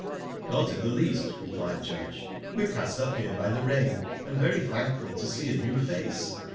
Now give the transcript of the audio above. "Not in the least," replied Judge. "We're cast up here by the rain, and very thankful to see a new face.